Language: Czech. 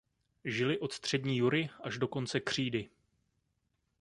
Žili od střední jury až do konce křídy.